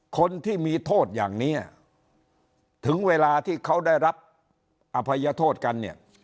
คนที่มีโทษอย่างนี้ถึงเวลาที่เขาได้รับอภัยโทษกันเนี่ย